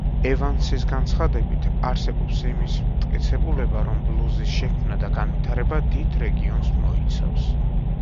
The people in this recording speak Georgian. ევანსის განცხადებით, არსებობს იმის მტკიცებულება, რომ ბლუზის შექმნა და განვითარება დიდ რეგიონს მოიცავს.